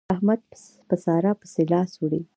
احمد په سارا پسې لاس وړي.